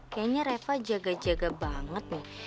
kayaknya reva jaga jaga banget nih